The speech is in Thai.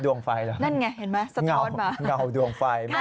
ไฟเหรอนั่นไงเห็นไหมสะง้อนมาเงาดวงไฟไหม